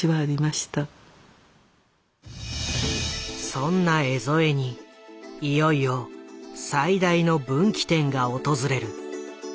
そんな江副にいよいよ最大の分岐点が訪れる。